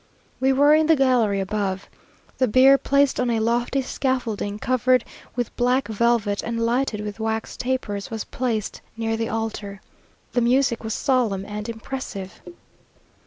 We were in the gallery above. The bier, placed on a lofty scaffolding, covered with black velvet and lighted with wax tapers, was placed near the altar. The music was solemn and impressive.